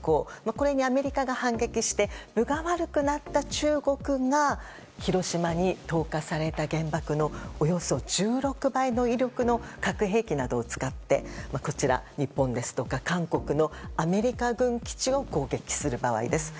これにアメリカが反撃して分が悪くなった中国が広島に投下された原爆のおよそ１６倍の威力の核兵器などを使って日本ですとか、韓国のアメリカ軍基地を攻撃する場合です。